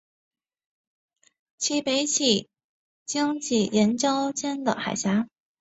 其北起荆棘岩礁间的海峡。